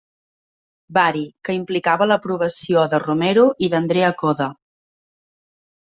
Bari, que implicava l'aprovació de Romero i d'Andrea Coda.